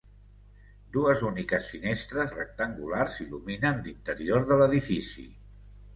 Dues úniques finestres rectangulars il·luminen l'interior de l'edifici.